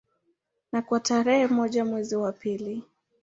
Na kwa tarehe moja mwezi wa pili